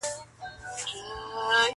ما سوري كړي د ډبرو دېوالونه-